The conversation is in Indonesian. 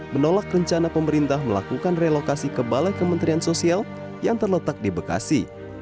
menolak rencana pemerintah melakukan relokasi ke balai kementerian sosial yang terletak di bekasi